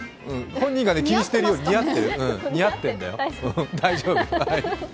本人が気にしてるより似合ってるよ、大丈夫。